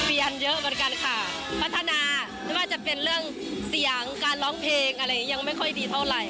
เรียนเยอะเหมือนกันค่ะพัฒนาไม่ว่าจะเป็นเรื่องเสียงการร้องเพลงอะไรยังไม่ค่อยดีเท่าไหร่